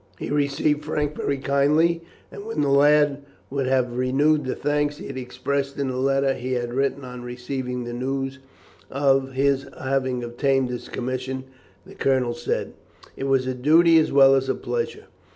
He received Frank very kindly, and when the lad would have renewed the thanks he had expressed in the letter he had written on receiving the news of his having obtained his commission, the Colonel said: "It was a duty as well as a pleasure.